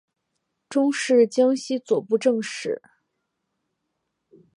终仕江西左布政使。